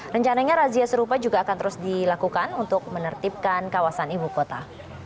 rencananya razia serupa juga akan terus dilakukan untuk menertibkan kawasan ibu kota